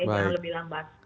jangan lebih lambat